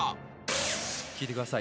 聴いてください。